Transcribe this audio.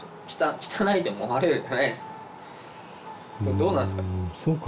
どうなんすか？